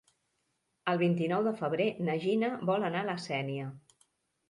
El vint-i-nou de febrer na Gina vol anar a la Sénia.